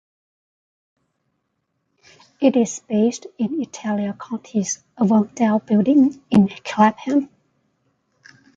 It is based in Italia Conti's Avondale Building in Clapham.